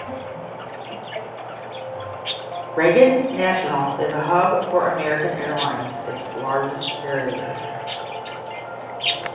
Reagan National is a hub for American Airlines, its largest carrier.